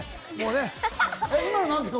今の何ですか？